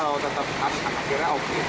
kalau tetap akhirnya oke